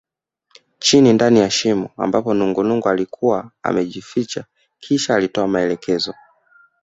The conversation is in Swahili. Chini ndani ya shimo ambapo nungunungu alikuwa amejificha kisha alitoa maelekezo